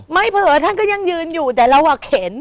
เผลอท่านก็ยังยืนอยู่แต่เราเข็น